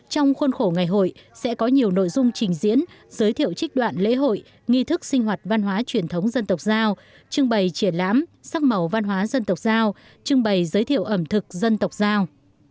trong khuôn khổ ngày hội sẽ có nhiều nội dung trình diễn giới thiệu trích đoạn lễ hội nghi thức sinh hoạt văn hóa truyền thống dân tộc giao trưng bày triển lãm sắc màu văn hóa dân tộc giao trưng bày giới thiệu ẩm thực dân tộc giao